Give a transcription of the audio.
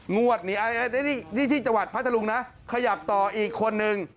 งวดนี้ที่จังหวัดพัทธรุงนะขยับต่ออีกคนนึง